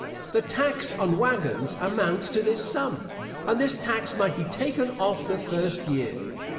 The tax on wagons amounts to this sum, and this tax might be taken off the first year.